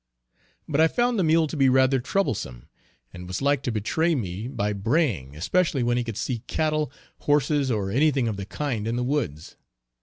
But I found the mule to be rather troublesome, and was like to betray me by braying, especially when he would see cattle, horses, or any thing of the kind in the woods.